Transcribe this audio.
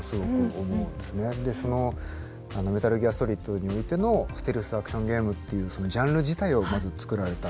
その「メタリギアソリッド」においてのステルスアクションゲームっていうそのジャンル自体をまずつくられた。